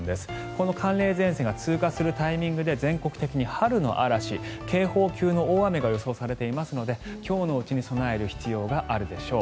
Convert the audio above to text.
この寒冷前線が通過するタイミングで全国的に春の嵐、警報級の大雨が予想されていますので今日のうちに備える必要があるでしょう。